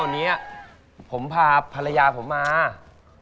ไม่ที่ผมก็จะบอกว่าไม่พาภรรยามาดูบ้าง